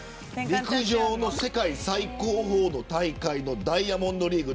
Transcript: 陸上の世界最高峰の大会のダイヤモンドリーグ。